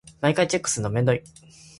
毎回チェックするのめんどくさい。